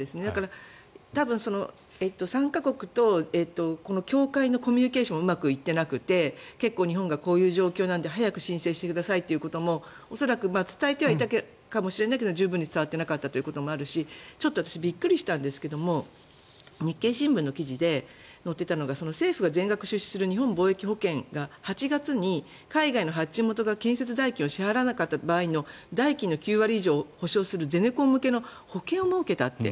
多分、参加国と協会のコミュニケーションもうまくいってなくて日本がこういう状況なので早く申請してくださいということも恐らく伝えてはいたかもしれないけど十分に伝わっていなかったこともあるし私、びっくりしたんですけど日経新聞の記事で載っていたのが政府が全額出資する日本貿易保険が８月に海外の会社の建設代金を支払わなかった場合の代金の９割以上を補償するゼネコン向けの保険を設けたと。